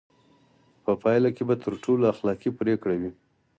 په پایله کې به تر ټولو اخلاقي پرېکړه وي.